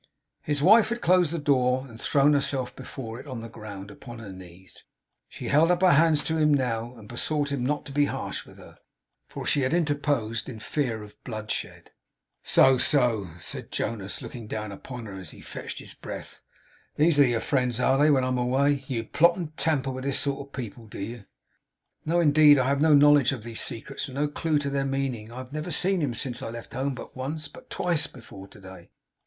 His wife had closed the door, and thrown herself before it, on the ground, upon her knees. She held up her hands to him now, and besought him not to be harsh with her, for she had interposed in fear of bloodshed. 'So, so!' said Jonas, looking down upon her, as he fetched his breath. 'These are your friends, are they, when I am away? You plot and tamper with this sort of people, do you?' 'No, indeed! I have no knowledge of these secrets, and no clue to their meaning. I have never seen him since I left home but once but twice before to day.